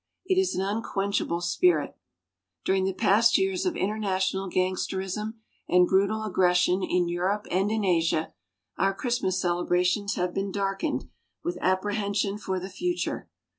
It is an unquenchable spirit. During the past years of international gangsterism and brutal aggression in Europe and in Asia, our Christmas celebrations have been darkened with apprehension for the future.